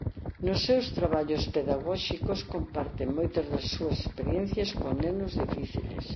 Nos seus traballos pedagóxicos comparte moitas das súa experiencias con nenos difíciles.